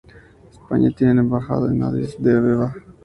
España tiene una embajada en Addis Abeba.